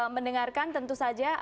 mendengarkan tentu saja